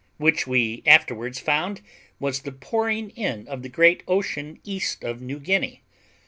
which we afterwards found was the pouring in of the great ocean east of New Guinea.